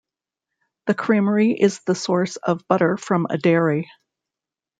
The creamery is the source of butter from a dairy.